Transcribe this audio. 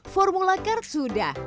formula car sudah